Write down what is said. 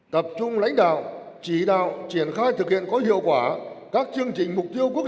tập trung lãnh đạo chỉ đạo triển khai thực hiện có hiệu quả các chương trình mục tiêu quốc